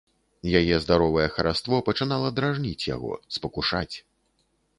Яе здаровае хараство пачынала дражніць яго, спакушаць.